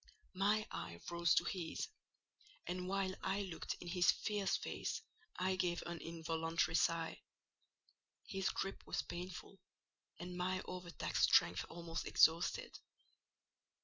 My eye rose to his; and while I looked in his fierce face I gave an involuntary sigh; his gripe was painful, and my over taxed strength almost exhausted.